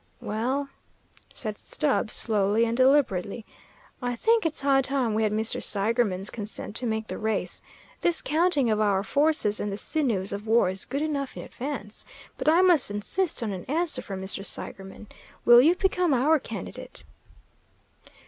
"Well," said Stubb, slowly and deliberately, "I think it's high time we had Mr. Seigerman's consent to make the race. This counting of our forces and the sinews of war is good enough in advance; but I must insist on an answer from Mr. Seigerman. Will you become our candidate?"